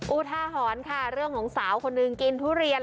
อุทาหรณ์ค่ะเรื่องของสาวคนหนึ่งกินทุเรียน